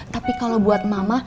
tapi kalau buat mama